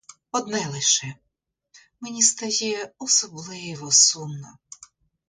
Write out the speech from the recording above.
Одне лише: мені стає особливо сумно.